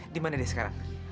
dimana dia sekarang